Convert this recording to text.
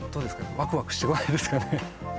ワクワクしてこないですかね